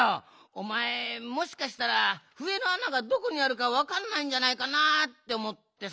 おまえもしかしたらふえのあながどこにあるかわかんないんじゃないかなっておもってさ。